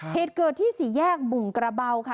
เหตุเกิดที่สี่แยกบุงกระเบาค่ะ